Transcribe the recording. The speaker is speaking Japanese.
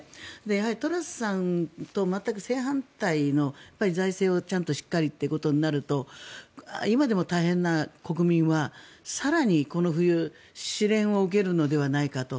やはりトラスさんと全く正反対の財政をちゃんとしっかりということになると今でも大変な国民は更にこの冬試練を受けるのではないかと。